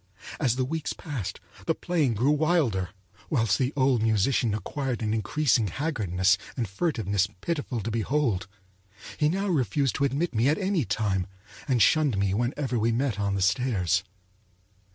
As the weeks passed, the playing grew wilder, whilst the old musician acquired an increasing haggardness and furtiveness pitiful to behold. He now refused to admit me at any time, and shunned me whenever we met on the stairs.